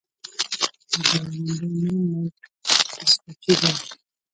د دې غونډۍ نوم مونټ ټسټاچي و